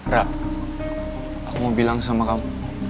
rak aku mau bilang sama kamu